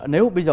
nếu bây giờ